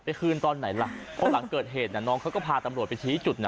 คืนตอนไหนล่ะเพราะหลังเกิดเหตุน่ะน้องเขาก็พาตำรวจไปชี้จุดน่ะ